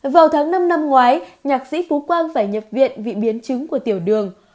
vào tháng năm năm ngoái nhạc sĩ phú quang phải nhập viện vì biến chứng của tiểu đường